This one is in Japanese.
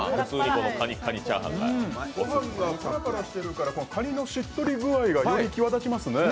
ご飯がパラパラしてるから、かにのしっとり具合がより際立ちますね。